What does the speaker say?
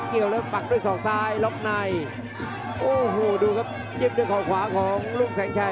เกี่ยวแล้วปักด้วยสองซ้ายรบในโอ้โหดูครับยิบด้วยขวาขวาของลูกแสงชัย